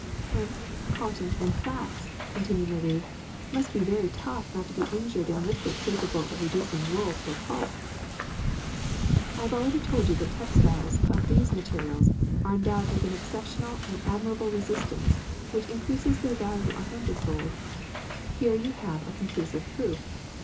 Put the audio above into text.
'' *'Hemp, cotton, and flax," continued Marie, ^^must be very tough not to be injured in a liquid capable of reducing wool to a pulp. '' *^I have already told you that textiles of these materials are endowed with an exceptional and ad mirable resistance which increases their value a hundredfold. Here you have a conclusive proof.